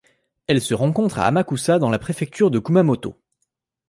Elle se rencontre à Amakusa dans la préfecture de Kumamoto.